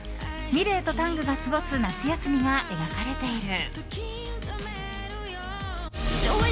ｍｉｌｅｔとタングが過ごす夏休みが描かれている。